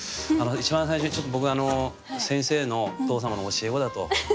一番最初にちょっと僕あの先生のお父様の教え子だと。